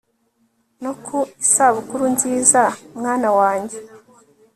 no ku isabukuru nziza, mwana wanjye